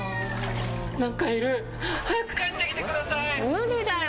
無理だよ